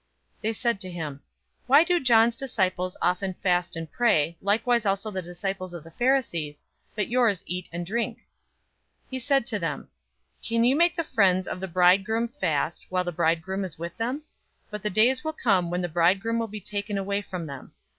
005:033 They said to him, "Why do John's disciples often fast and pray, likewise also the disciples of the Pharisees, but yours eat and drink?" 005:034 He said to them, "Can you make the friends of the bridegroom fast, while the bridegroom is with them? 005:035 But the days will come when the bridegroom will be taken away from them.